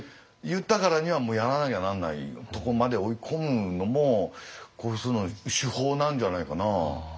言ったからにはもうやらなきゃなんないとこまで追い込むのもこういう人の手法なんじゃないかな。